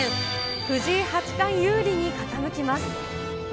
藤井八冠有利に傾きます。